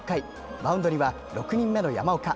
マウンドには６人目の山岡。